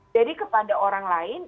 jadi kepada orang lain